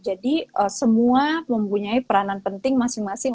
jadi semua mempunyai peranan penting masing masing